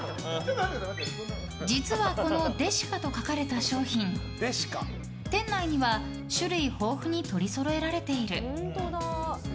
実はこのｄｅｓｉｃａと書かれた商品店内には種類豊富に取りそろえられている。